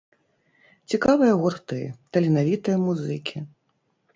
Цікавыя гурты, таленавітыя музыкі.